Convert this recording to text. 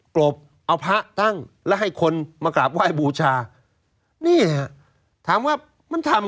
กรบเอาพระตั้งแล้วให้คนมากราบไหว้บูชานี่ฮะถามว่ามันทำ